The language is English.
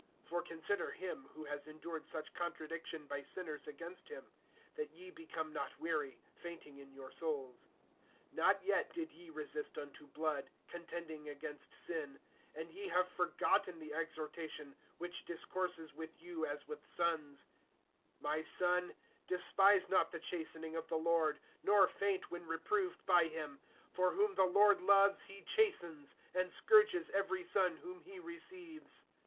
(3)For consider him who has endured such contradiction by sinners against him, that ye become not weary, fainting in your souls. (4)Not yet did ye resist unto blood, contending against sin; (5)and ye have forgotten the exhortation, which discourses with you as with sons: My son, despise not the chastening of the Lord, Nor faint when reproved by him; (6)For whom the Lord loves he chastens, And scourges every son whom he receives.